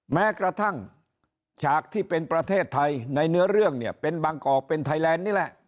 แม้กระทั่งฉากที่เป็นประเทศไทยในเนื้อเรื่องเนี่ยเป็นบางกอกเป็นไทยแลนด์นี่แหละ